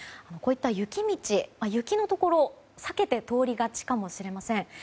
こういった雪道では雪のところを避けて通りがちかもしれません。